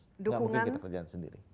itu harus kekerjaan sendiri